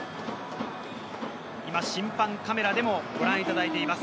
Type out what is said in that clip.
今、審判カメラでもご覧いただいています。